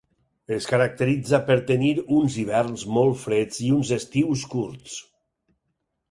Es caracteritza per tenir uns hiverns molt freds i uns estius curts.